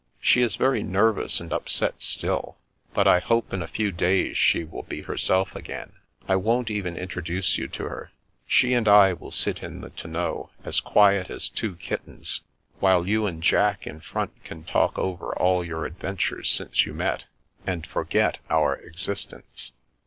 She is very nervous and upset still, but I hope in a few days she will be her self again. I won't even introduce you to her. She and I will sit in the tonneau, as quiet as two kittens, while you and Jack in front can talk over all your adventures since you met, and forget our existence.